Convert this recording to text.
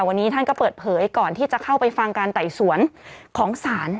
วันนี้ท่านก็เปิดเผยก่อนที่จะเข้าไปฟังการไต่สวนของศาล